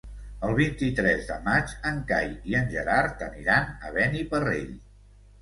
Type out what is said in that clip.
El vint-i-tres de maig en Cai i en Gerard aniran a Beniparrell.